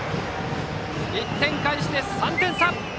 １点返して、３点差！